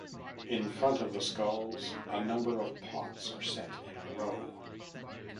In front of the skulls, a number of pots are set in a row.